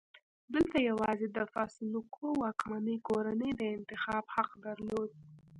دلته یوازې د فاسولوکو واکمنې کورنۍ د انتخاب حق درلود.